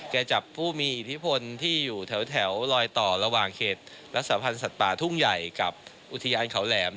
จับผู้มีอิทธิพลที่อยู่แถวลอยต่อระหว่างเขตรักษาพันธ์สัตว์ป่าทุ่งใหญ่กับอุทยานเขาแหลม